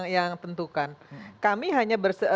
ke depannya kemungkinan akan diisi oleh profesional